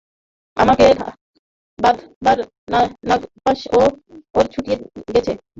আমাকে বাঁধবার নাগপাশ ওর ফুরিয়ে গেছে, আমি মুক্তি পেয়েছি।